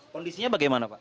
kondisinya bagaimana pak